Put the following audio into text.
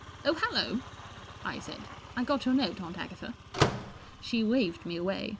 44 Oh, hallo," I said. 4 I got your note. Aunt Agatha." She waved me away.